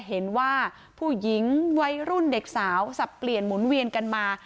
เห็นว่าผู้หญิงวัยรุ่นเด็กสาวสับเปลี่ยนหมุนเวียนกันมา